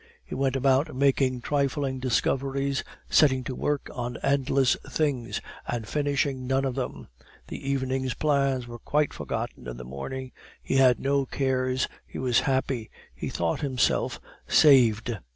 He went about making trifling discoveries, setting to work on endless things, and finishing none of them; the evening's plans were quite forgotten in the morning; he had no cares, he was happy; he thought himself saved.